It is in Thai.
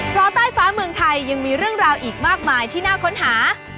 เพราะใต้ฟ้าเมืองไทยยังมีเรื่องราวอีกมากมายที่น่าค้นหา